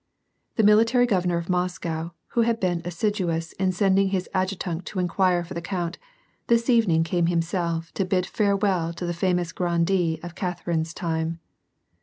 The military governor of Moscow, who had been assiduous in sending his adjutant to inquire for the count, this evening came himself to bid farewell to the famous grandee of Cather ine's time.